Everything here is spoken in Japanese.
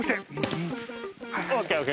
ＯＫＯＫ！